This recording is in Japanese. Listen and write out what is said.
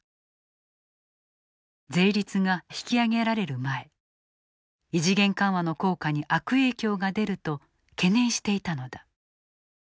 税率が引き上げられる前異次元緩和の効果に悪影響が出ると懸念していたのだ。